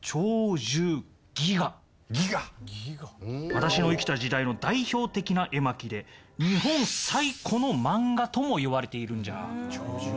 私の生きた時代の代表的な絵巻で日本最古の漫画ともいわれているんじゃ。